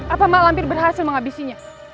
apa mbak lampir berhasil menghabisinya